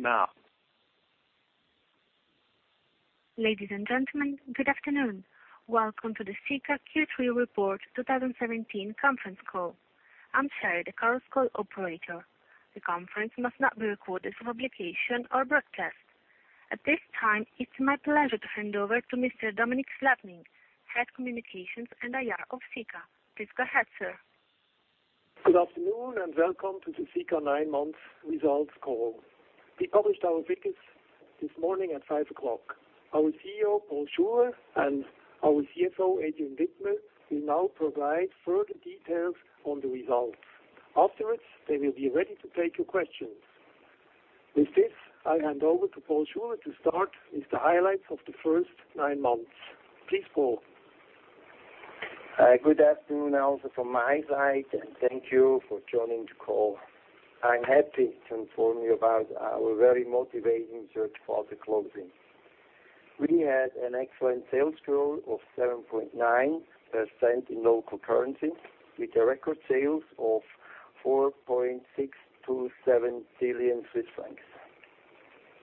Now. Ladies and gentlemen, good afternoon. Welcome to the Sika Q3 Report 2017 conference call. I'm Sherry, the conference call operator. The conference must not be recorded for publication or broadcast. At this time, it's my pleasure to hand over to Mr. Dominik Slappnig, Head Communications and IR of Sika. Please go ahead, sir. Good afternoon, welcome to the Sika nine-month results call. We published our figures this morning at 5:00 A.M. Our CEO, Paul Schuler, and our CFO, Adrian Widmer, will now provide further details on the results. Afterwards, they will be ready to take your questions. With this, I hand over to Paul Schuler to start with the highlights of the first nine months. Please, Paul. Good afternoon also from my side, thank you for joining the call. I'm happy to inform you about our very motivating third-quarter closing. We had an excellent sales growth of 7.9% in local currency with record sales of 4.627 billion Swiss francs.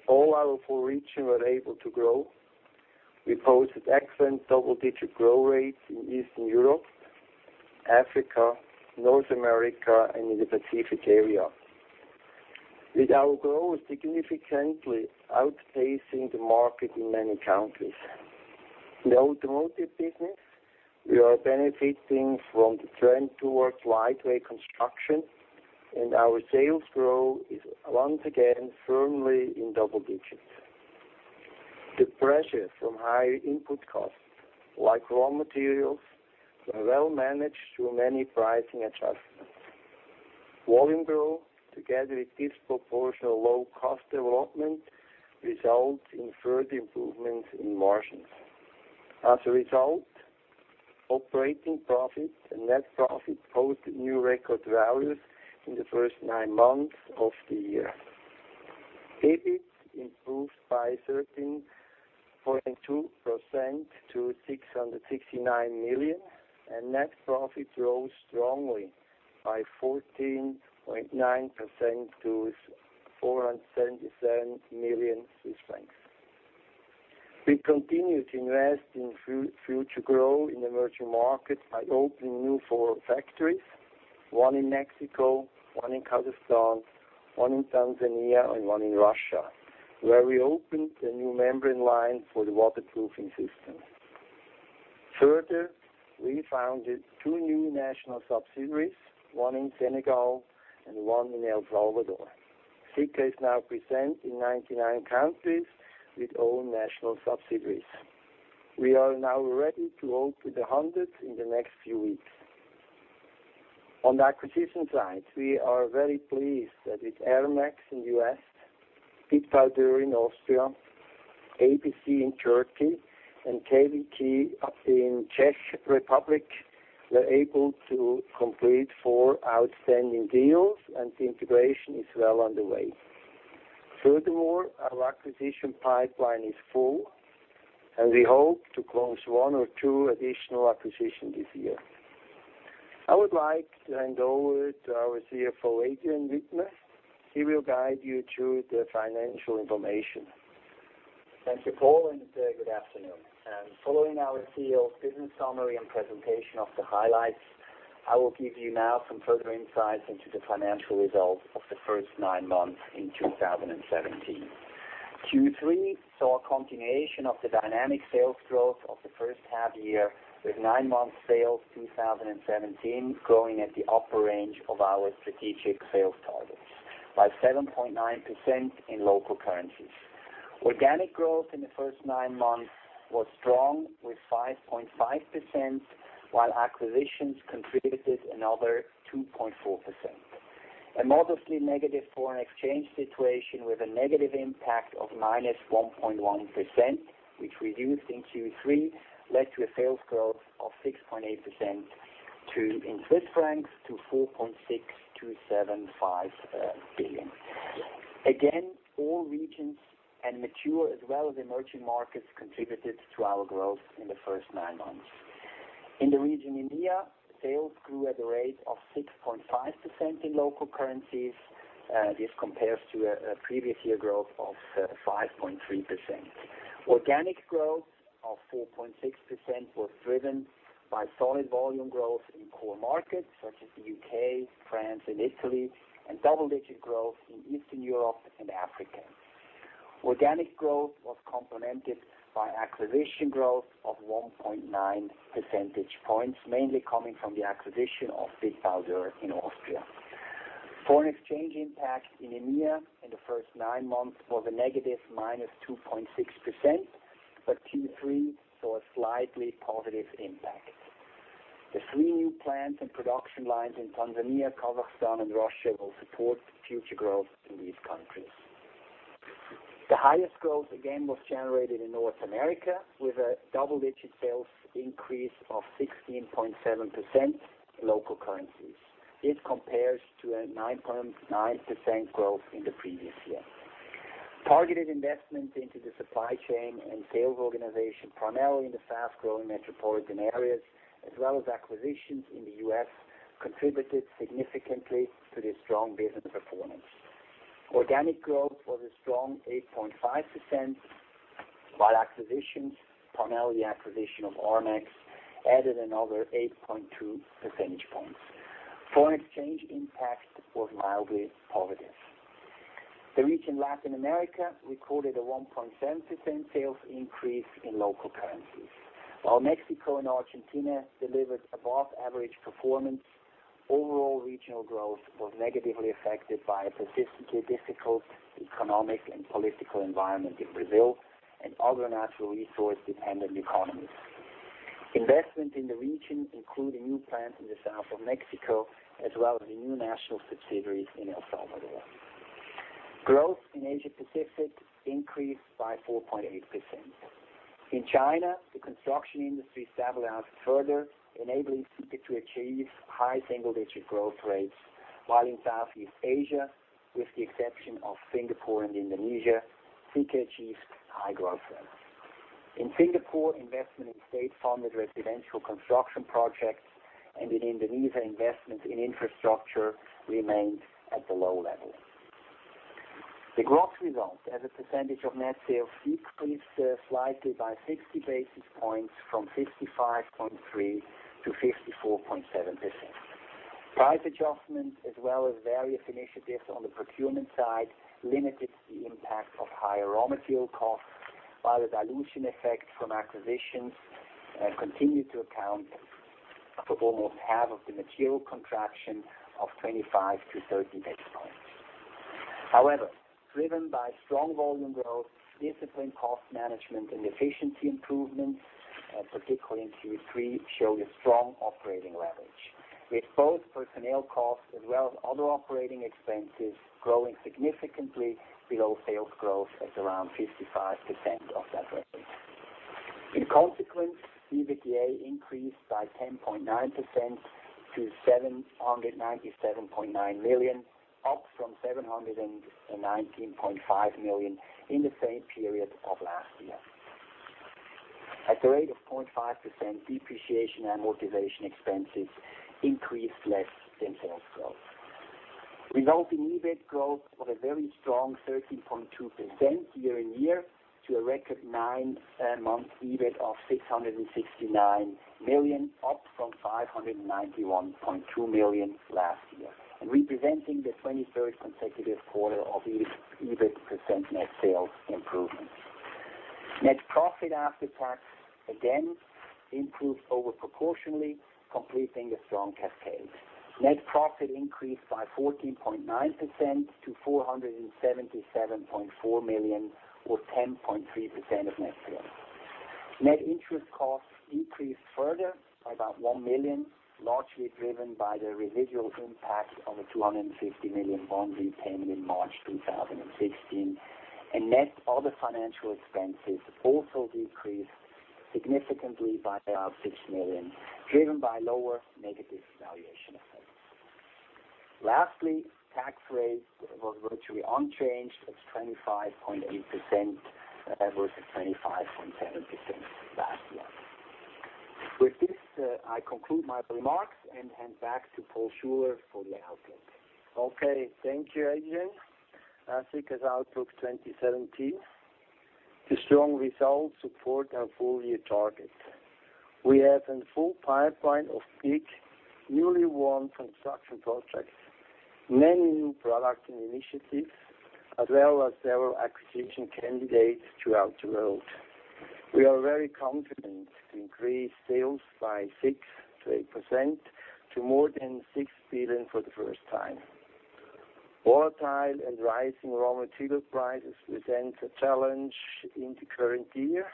All our four regions were able to grow. We posted excellent double-digit growth rates in Eastern Europe, Africa, North America, and in the Pacific area, with our growth significantly outpacing the market in many countries. In the automotive business, we are benefiting from the trend towards lightweight construction, and our sales growth is once again firmly in double digits. The pressure from higher input costs, like raw materials, were well managed through many pricing adjustments. Volume growth, together with disproportionate low cost development, results in further improvements in margins. As a result, operating profit and net profit posted new record values in the first nine months of the year. EBIT improved by 13.2% to 669 million, net profit rose strongly by 14.9% to 477 million. We continue to invest in future growth in emerging markets by opening new four factories, one in Mexico, one in Kazakhstan, one in Tanzania, and one in Russia, where we opened a new membrane line for the waterproofing system. Further, we founded two new national subsidiaries, one in Senegal and one in El Salvador. Sika is now present in 99 countries with own national subsidiaries. We are now ready to open the 100th in the next few weeks. On the acquisition side, we are very pleased that with Rmax in the U.S., Bitbau Dörr in Austria, ABC in Turkey, and KVK Holding a.s. in Czech Republic, we're able to complete four outstanding deals. The integration is well underway. Furthermore, our acquisition pipeline is full. We hope to close one or two additional acquisitions this year. I would like to hand over to our CFO, Adrian Widmer. He will guide you through the financial information. Thank you, Paul, and good afternoon. Following our CEO's business summary and presentation of the highlights, I will give you now some further insights into the financial results of the first nine months in 2017. Q3 saw a continuation of the dynamic sales growth of the first half year, with nine-month sales 2017 growing at the upper range of our strategic sales targets by 7.9% in local currencies. Organic growth in the first nine months was strong with 5.5%, while acquisitions contributed another 2.4%. A modestly negative foreign exchange situation with a negative impact of -1.1%, which reduced in Q3, led to a sales growth of 6.8% in CHF to CHF 4.6275 billion. All regions and mature as well as emerging markets contributed to our growth in the first nine months. In the region EMEA, sales grew at a rate of 6.5% in local currencies. This compares to a previous year growth of 5.3%. Organic growth of 4.6% was driven by solid volume growth in core markets such as the U.K., France, and Italy, and double-digit growth in Eastern Europe and Africa. Organic growth was complemented by acquisition growth of 1.9 percentage points, mainly coming from the acquisition of Bitbau Dörr in Austria. Foreign exchange impact in EMEA in the first nine months was a negative -2.6%, but Q3 saw a slightly positive impact. The three new plants and production lines in Tanzania, Kazakhstan, and Russia will support future growth in these countries. The highest growth was generated in North America, with a double-digit sales increase of 16.7% in local currencies. This compares to a 9.9% growth in the previous year. Targeted investments into the supply chain and sales organization, primarily in the fast-growing metropolitan areas, as well as acquisitions in the U.S. contributed significantly to the strong business performance. Organic growth was a strong 8.5%, while acquisitions, primarily the acquisition of Rmax, added another 8.2 percentage points. Foreign exchange impact was mildly positive. The region Latin America recorded a 1.7% sales increase in local currencies. While Mexico and Argentina delivered above-average performance, overall regional growth was negatively affected by a persistently difficult economic and political environment in Brazil and other natural resource-dependent economies. Investment in the region include a new plant in the south of Mexico, as well as a new national subsidiary in El Salvador. Growth in Asia Pacific increased by 4.8%. In China, the construction industry stabilized further, enabling Sika to achieve high single-digit growth rates, while in Southeast Asia, with the exception of Singapore and Indonesia, Sika achieved high growth rates. In Singapore, investment in state-funded residential construction projects and in Indonesia, investment in infrastructure remained at the low level. The gross result as a percentage of net sales increased slightly by 60 basis points from 55.3% to 54.7%. Price adjustments, as well as various initiatives on the procurement side, limited the impact of higher raw material costs, while the dilution effect from acquisitions continued to account for almost half of the material contraction of 25 to 30 basis points. Driven by strong volume growth, disciplined cost management, and efficiency improvements, particularly in Q3, showed a strong operating leverage. With both personnel costs as well as other operating expenses growing significantly below sales growth at around 55% of that rate. Consequently, EBITDA increased by 10.9% to 797.9 million, up from 719.5 million in the same period of last year. At the rate of 0.5%, depreciation and amortization expenses increased less than sales growth, resulting in EBIT growth of a very strong 13.2% year-on-year to a record nine-month EBIT of 669 million, up from 591.2 million last year, and representing the 23rd consecutive quarter of EBIT % net sales improvement. Net profit after tax, again, improved over proportionally, completing a strong cascade. Net profit increased by 14.9% to 477.4 million, or 10.3% of net sales. Net interest costs increased further by about 1 million, largely driven by the residual impact of a 250 million bond repayment in March 2016. Net other financial expenses also decreased significantly by about 6 million, driven by lower negative valuation effects. Lastly, tax rate was virtually unchanged at 25.8%, versus 25.7% last year. With this, I conclude my remarks and hand back to Paul Schuler for the outlook. Okay, thank you, Adrian. Sika's outlook 2017. The strong results support our full-year target. We have a full pipeline of big, newly won construction projects, many new products and initiatives, as well as several acquisition candidates throughout the world. We are very confident to increase sales by 6%-8%, to more than 6 billion for the first time. Volatile and rising raw material prices present a challenge in the current year.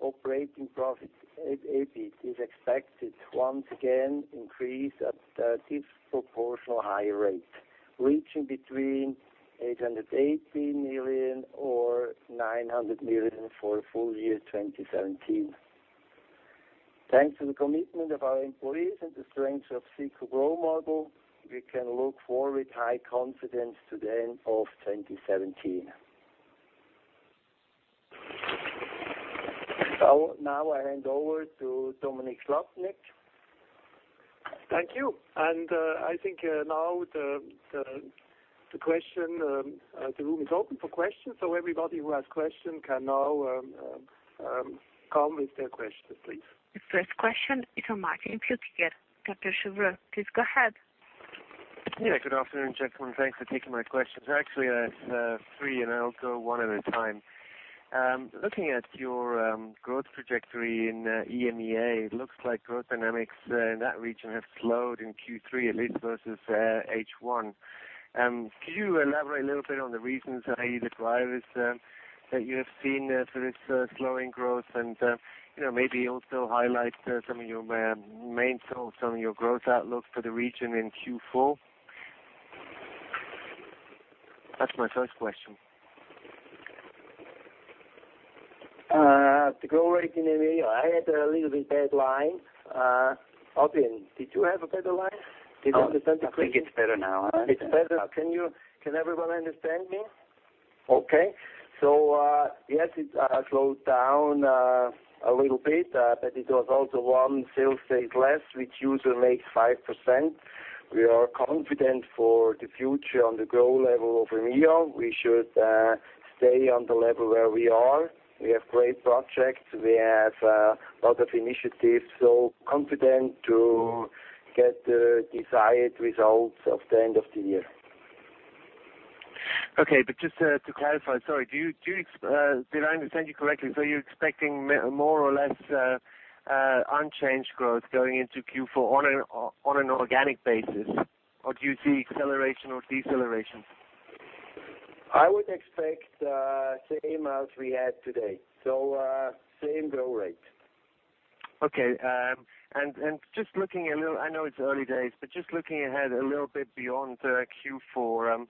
Operating profit, EBIT, is expected to once again increase at a disproportional higher rate, reaching between 880 million or 900 million for full year 2017. Thanks to the commitment of our employees and the strength of Sika growth model, we can look forward with high confidence to the end of 2017. Now I hand over to Dominik Slappnig. Thank you. I think now the room is open for questions, everybody who has questions can now come with their questions, please. The first question is from [Martin at] Please go ahead. Good afternoon, gentlemen. Thanks for taking my questions. Actually, I have three, I'll go one at a time. Looking at your growth trajectory in EMEA, it looks like growth dynamics in that region have slowed in Q3, at least versus H1. Could you elaborate a little bit on the reasons and maybe the drivers that you have seen for this slowing growth? Maybe also highlight some of your main thoughts on your growth outlook for the region in Q4. That's my first question. The growth rate in EMEA. I had a little bit bad line. Adrian, did you have a better line? Did you understand the question? I think it's better now. It's better. Can everyone understand me? Okay. Yes, it slowed down a little bit, but it was also one sales day less, which usually makes 5%. We are confident for the future on the growth level of EMEA. We should stay on the level where we are. We have great projects. We have a lot of initiatives, confident to get the desired results of the end of the year. Okay. Just to clarify, sorry, did I understand you correctly? You're expecting more or less unchanged growth going into Q4 on an organic basis, or do you see acceleration or deceleration? I would expect same as we had today. Same growth rate. Okay. I know it's early days, but just looking ahead a little bit beyond Q4,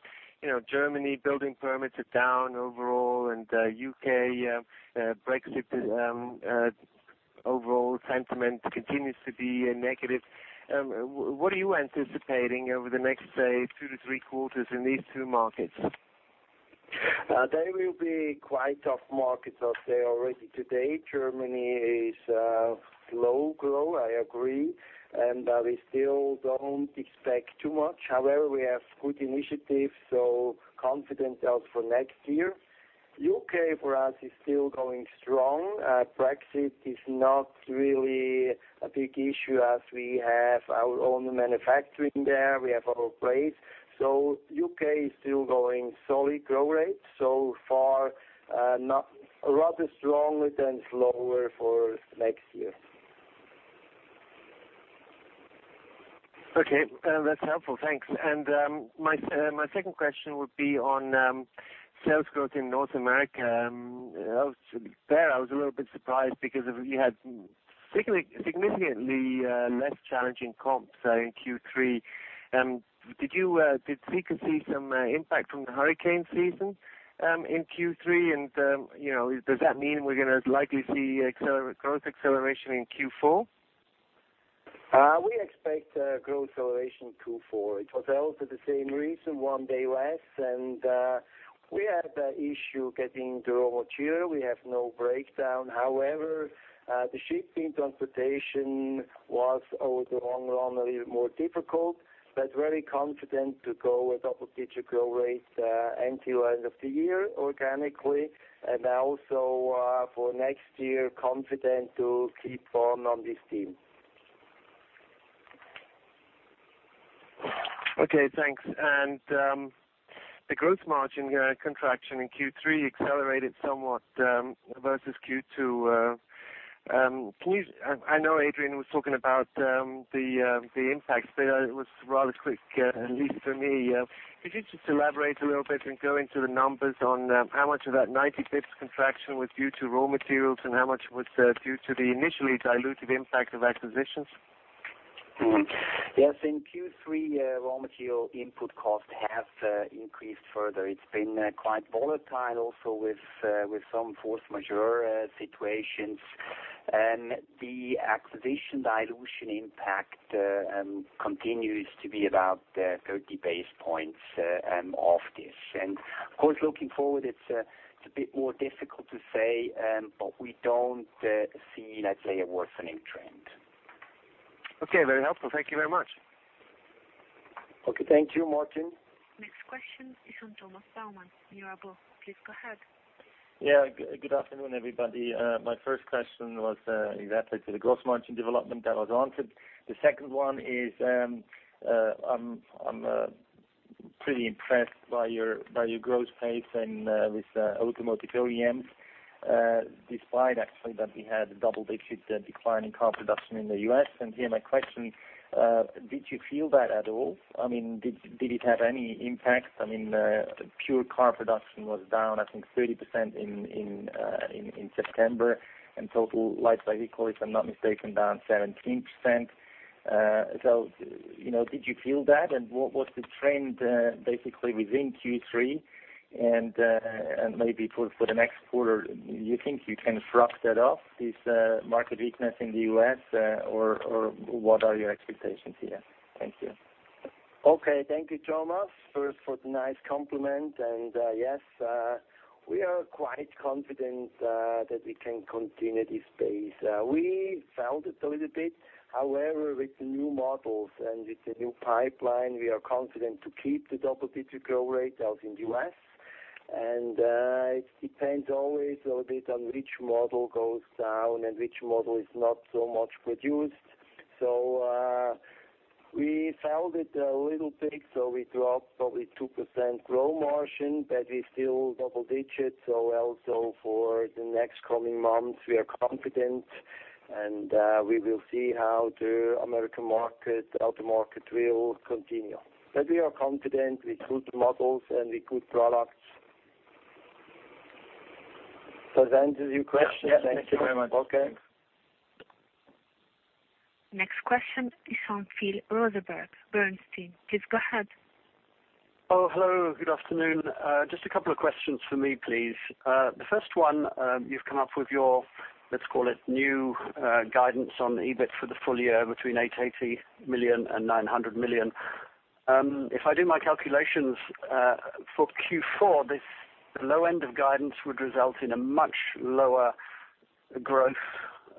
Germany building permits are down overall and U.K. Brexit overall sentiment continues to be negative. What are you anticipating over the next, say, two to three quarters in these two markets? They will be quite tough markets out there already today. Germany is low growth, I agree. We still don't expect too much. However, we have good initiatives, so confident as for next year. U.K. for us is still going strong. Brexit is not really a big issue as we have our own manufacturing there. We have our place. U.K. is still going solid growth rate so far, rather stronger than slower for next year. Okay. That's helpful. Thanks. My second question would be on sales growth in North America. To be fair, I was a little bit surprised because you had significantly less challenging comps in Q3. Did Sika see some impact from the hurricane season in Q3? Does that mean we're going to likely see growth acceleration in Q4? We expect growth acceleration in Q4. It was also the same reason, one day less. We had the issue getting the raw material. We have no breakdown. However, the shipping transportation was over the long run a little more difficult, but very confident to go a double-digit growth rate until end of the year organically, and also for next year, confident to keep on this theme. Okay, thanks. The growth margin contraction in Q3 accelerated somewhat versus Q2. I know Adrian was talking about the impacts there. It was rather quick, at least for me. Could you just elaborate a little bit and go into the numbers on how much of that 90 basis points contraction was due to raw materials and how much was due to the initially dilutive impact of acquisitions? Yes, in Q3, raw material input cost has increased further. It's been quite volatile also with some force majeure situations. The acquisition dilution impact continues to be about 30 basis points of this. Of course, looking forward, it's a bit more difficult to say, but we don't see, let's say, a worsening trend. Okay, very helpful. Thank you very much. Okay, thank you, Martin. Next question is from Thomas Salmann, Mirabaud. Please go ahead. Yeah, good afternoon, everybody. My first question was exactly to the gross margin development that was answered. The second one is, I'm pretty impressed by your growth pace and with automotive OEMs, despite actually that we had double-digit decline in car production in the U.S. Here, my question, did you feel that at all? Did it have any impact? Pure car production was down, I think 30% in September, and total light vehicles, if I'm not mistaken, down 17%. Did you feel that and what was the trend basically within Q3 and maybe for the next quarter? Do you think you can shrug that off, this market weakness in the U.S. or what are your expectations here? Thank you. Okay. Thank you, Thomas, first for the nice compliment. Yes, we are quite confident that we can continue this pace. We felt it a little bit. However, with the new models and with the new pipeline, we are confident to keep the double-digit growth rate out in U.S., and it depends always a bit on which model goes down and which model is not so much produced. We felt it a little bit, so we dropped probably 2% growth margin, but we're still double digits. Also for the next coming months, we are confident, and we will see how the American auto market will continue. We are confident with good models and with good products. Does that answer your question? Yes. Thank you very much. Okay. Next question is from Phil Rosenberg, Bernstein. Please go ahead. Hello, good afternoon. Just a couple of questions for me, please. The first one, you've come up with your, let's call it, new guidance on EBIT for the full year between 880 million and 900 million. If I do my calculations for Q4, this low end of guidance would result in a much lower growth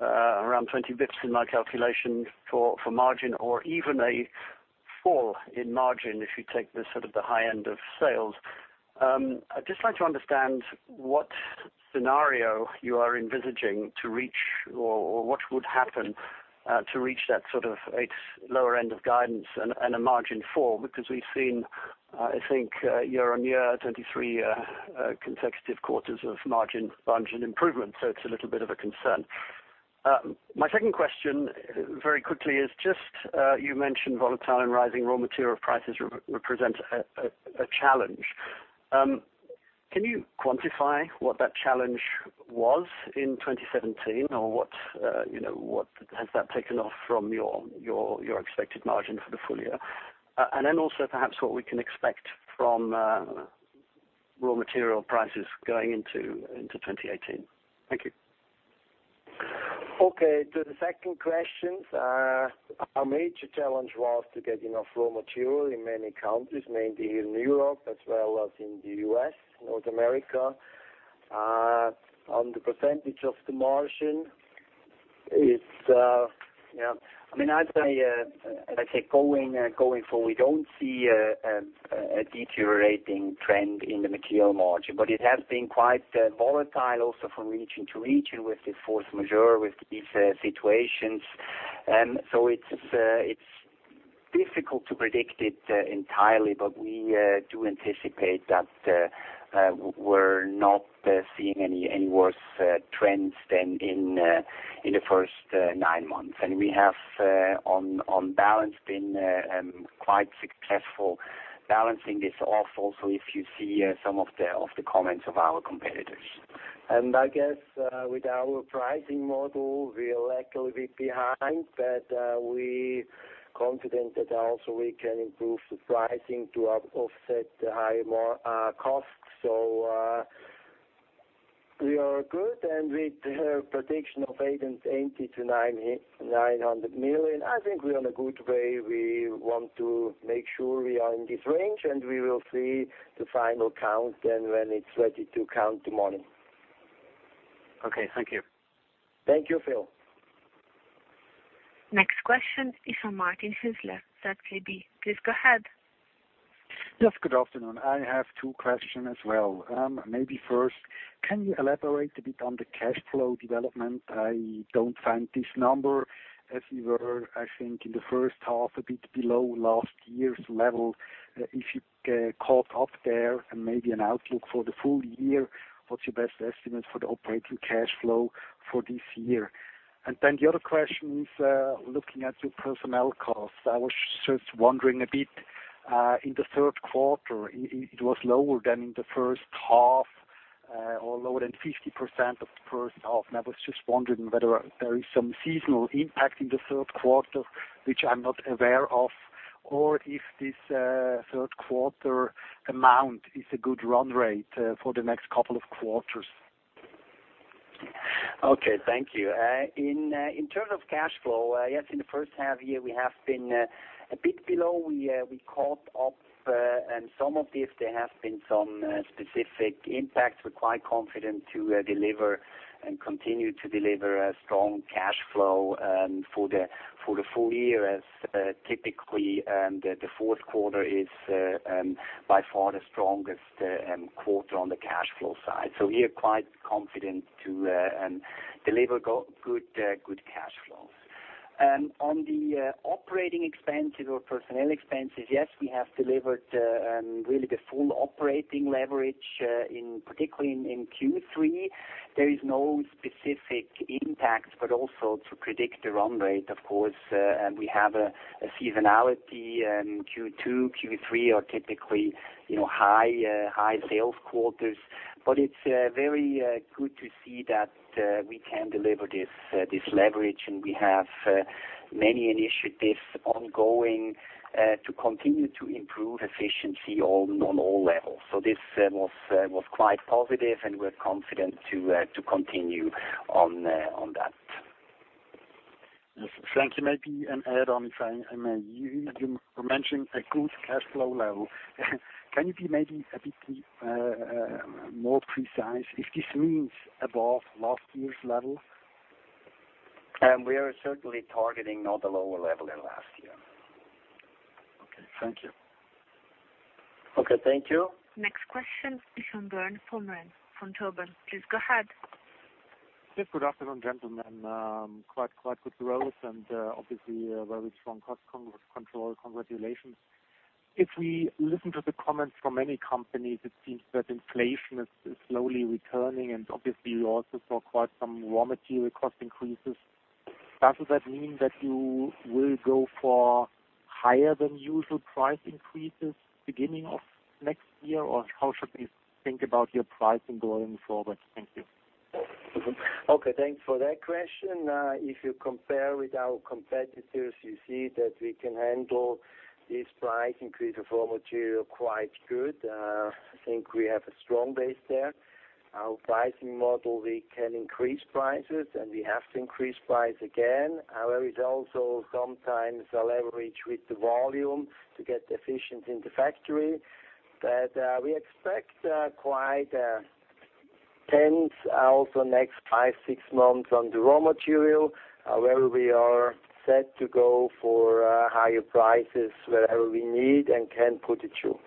around 20 basis points in my calculation for margin or even a fall in margin if you take the high end of sales. I'd just like to understand what scenario you are envisaging to reach, or what would happen to reach that sort of a lower end of guidance and a margin fall, because we've seen, I think, year-on-year, 23 consecutive quarters of margin improvement. It's a little bit of a concern. My second question, very quickly, is just, you mentioned volatile and rising raw material prices represent a challenge. Can you quantify what that challenge was in 2017 or what has that taken off from your expected margin for the full year? Also perhaps what we can expect from raw material prices going into 2018. Thank you. Okay, to the second question. Our major challenge was to get enough raw material in many countries, mainly in Europe as well as in the U.S., North America. On the percentage of the margin, as I said, going forward, we don't see a deteriorating trend in the material margin, but it has been quite volatile also from region to region with this force majeure, with these situations. It's difficult to predict it entirely, but we do anticipate that we're not seeing any worse trends than in the first nine months. We have, on balance, been quite successful balancing this off also if you see some of the comments of our competitors. I guess, with our pricing model, we are likely a bit behind, but we're confident that also we can improve the pricing to offset the higher costs. We are good, and with the prediction of 880 million to 900 million, I think we're in a good way. We want to make sure we are in this range, and we will see the final count then when it's ready to count the money. Okay. Thank you. Thank you, Phil. Next question is from Martin Hüsler, ZKB. Please go ahead. Yes. Good afternoon. I have two questions as well. Maybe first, can you elaborate a bit on the cash flow development? I don't find this number as we were, I think, in the first half, a bit below last year's level. If you caught up there and maybe an outlook for the full year, what's your best estimate for the operating cash flow for this year? The other question is, looking at your personnel costs, I was just wondering a bit, in the third quarter, it was lower than in the first half or lower than 50% of the first half, and I was just wondering whether there is some seasonal impact in the third quarter, which I'm not aware of, or if this third quarter amount is a good run rate for the next couple of quarters. Okay. Thank you. In terms of cash flow, yes, in the first half year, we have been a bit below. We caught up, and some of this, there have been some specific impacts. We're quite confident to deliver and continue to deliver a strong cash flow for the full year, as typically, the fourth quarter is by far the strongest quarter on the cash flow side. We are quite confident to deliver good cash flow. On the operating expenses or personnel expenses, yes, we have delivered really the full operating leverage, particularly in Q3. There is no specific impact, but also to predict the run rate, of course, we have a seasonality. Q2, Q3 are typically high sales quarters. It's very good to see that we can deliver this leverage, and we have many initiatives ongoing to continue to improve efficiency on all levels. This was quite positive, and we're confident to continue on that. Yes. Thank you. Maybe an add-on, if I may. You mentioned a good cash flow level. Can you be maybe a bit more precise if this means above last year's level? We are certainly targeting not a lower level than last year. Okay. Thank you. Okay. Thank you. Next question is from Bernd Pommer from Berenberg. Please go ahead. Yes. Good afternoon, gentlemen. Quite good growth and obviously a very strong cost control. Congratulations. If we listen to the comments from many companies, it seems that inflation is slowly returning, and obviously we also saw quite some raw material cost increases. Does that mean that you will go for higher than usual price increases beginning of next year, or how should we think about your pricing going forward? Thank you. Okay. Thanks for that question. If you compare with our competitors, you see that we can handle this price increase of raw material quite good. I think we have a strong base there. Our pricing model, we can increase prices, and we have to increase price again. It's also sometimes a leverage with the volume to get efficient in the factory. We expect quite a tense also next five, six months on the raw material. We are set to go for higher prices wherever we need and can put it through.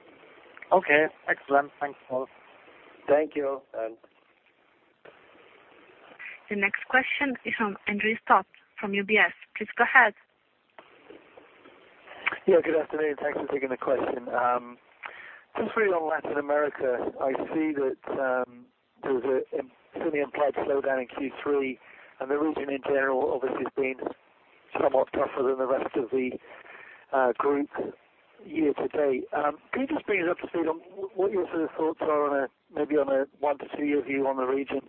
Okay, excellent. Thanks a lot. Thank you. The next question is from Andrew Stott from UBS. Please go ahead. Yeah, good afternoon. Thanks for taking the question. Just really on Latin America, I see that there's a semi-implied slowdown in Q3, and the region, in general, obviously has been somewhat tougher than the rest of the group year-to-date. Can you just bring us up to speed on what your thoughts are maybe on a one to two-year view on the region,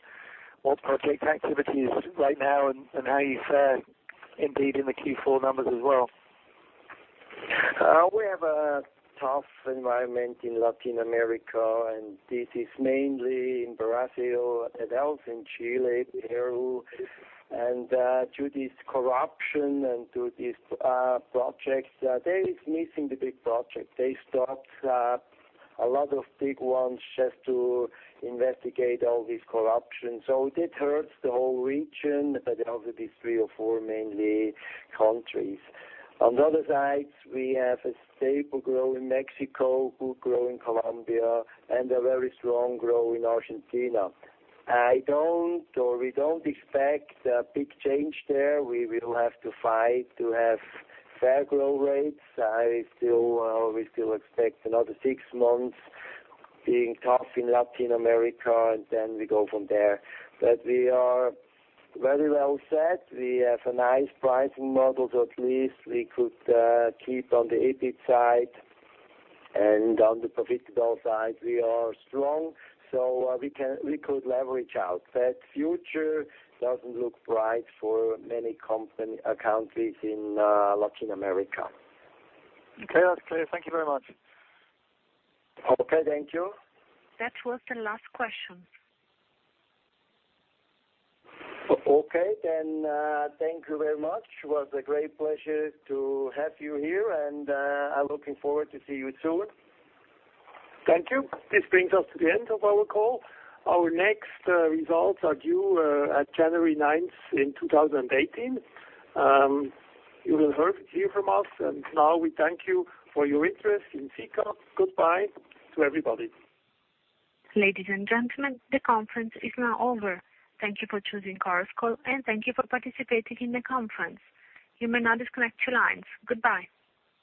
what project activity is right now, and how you fare indeed in the Q4 numbers as well? We have a tough environment in Latin America, this is mainly in Brazil and also in Chile, Peru. Due to this corruption and due to these projects, there is missing the big project. They stopped a lot of big ones just to investigate all this corruption. It hurts the whole region, but also these three or four main countries. On the other side, we have a stable growth in Mexico, good growth in Colombia, and a very strong growth in Argentina. We don't expect a big change there. We will have to fight to have fair growth rates. We still expect another six months being tough in Latin America, then we go from there. We are very well set. We have a nice pricing model. At least we could keep on the EBIT side, and on the profitability side, we are strong, we could leverage out. The future doesn't look bright for many countries in Latin America. Okay, that's clear. Thank you very much. Okay, thank you. That was the last question. Okay, thank you very much. It was a great pleasure to have you here, and I'm looking forward to seeing you soon. Thank you. This brings us to the end of our call. Our next results are due on January 9th in 2018. You will hear from us, and now we thank you for your interest in Sika. Goodbye to everybody. Ladies and gentlemen, the conference is now over. Thank you for choosing Chorus Call, and thank you for participating in the conference. You may now disconnect your lines. Goodbye.